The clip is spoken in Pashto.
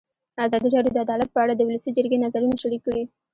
ازادي راډیو د عدالت په اړه د ولسي جرګې نظرونه شریک کړي.